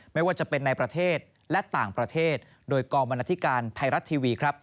ไม่ว่าจะเป็นในประเทศและต่างประเทศโดยกองบรรณาธิการไทยรัฐทีวีครับ